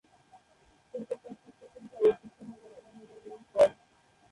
এসব তাঁর শিক্ষাচিন্তা ও শিক্ষানুরাগেরই ফল।